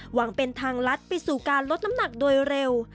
หวังเป็นทางลัดไปสู่การลดน้ำหนักโดยเร็ว